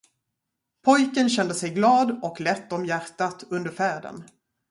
Pojken kände sig glad och lätt om hjärtat under färden.